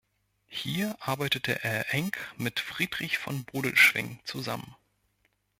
Hier arbeitete er eng mit Friedrich von Bodelschwingh zusammen.